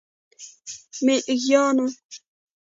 میږیانو،